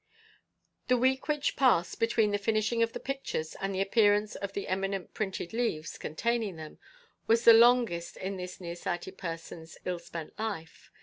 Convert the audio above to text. The week which passed between the finishing of the pictures and the appearance of the eminent printed leaves containing them was the longest in this near sighted person's ill spent life.